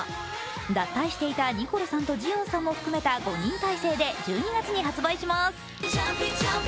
脱退していたニコルさんとジヨンさんも含めた５人体制で１２月に発売します。